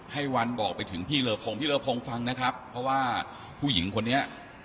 ให้วันบอกไปถึงพี่เลอพงพี่เลอพงฟังนะครับเพราะว่าผู้หญิงคนนี้